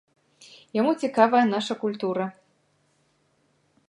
Яму цікавая наша культура.